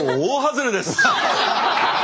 大外れです。